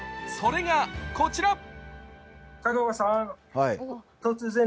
それがこちら。